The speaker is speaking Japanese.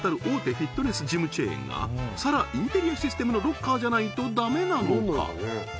フィットネスジムチェーンがサラインテリアシステムのロッカーじゃないとダメなのか